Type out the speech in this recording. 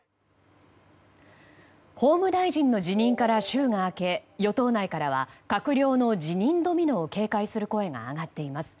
法務大臣の辞任から週が明け、与党内からは閣僚の辞任ドミノを警戒する声が上がっています。